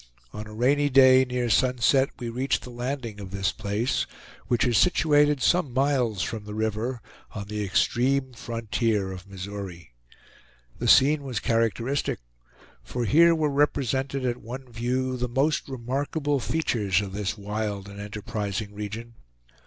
On a rainy day, near sunset, we reached the landing of this place, which is situated some miles from the river, on the extreme frontier of Missouri. The scene was characteristic, for here were represented at one view the most remarkable features of this wild and enterprising region.